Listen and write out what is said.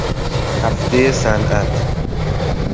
هفته صنعت